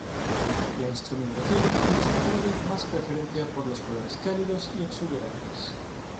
La instrumentación muestra cada vez más preferencia por los colores cálidos y exuberantes.